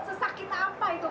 sesak kita apa itu pak